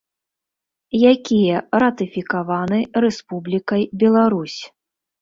Якія ратыфікаваны Рэспублікай Беларусь.